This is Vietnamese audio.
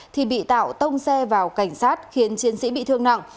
thì bị tạo tông xe vào cảnh sát khiến chiến sĩ bị thương nặng